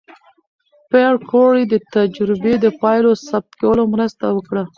پېیر کوري د تجربې د پایلو ثبت کولو مرسته وکړه.